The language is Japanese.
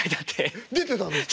出てたんですか？